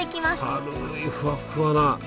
軽いふわっふわな。